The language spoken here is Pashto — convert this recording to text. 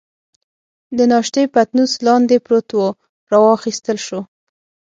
د ناشتې پتنوس لاندې پروت وو، را واخیستل شو.